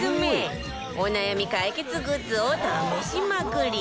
お悩み解決グッズを試しまくり